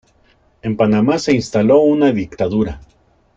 En Panamá se instaló una dictadura.